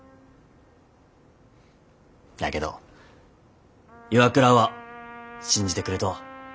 だけど岩倉は信じてくれとう。